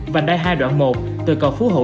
vành đai hai đoạn một từ cầu phú hổ